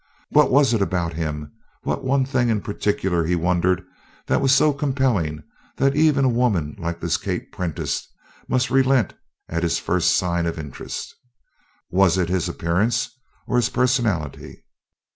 What was it about him what one thing in particular, he wondered, that was so compelling that even a woman like this Kate Prentice must relent at his first sign of interest? Was it his appearance or his personality?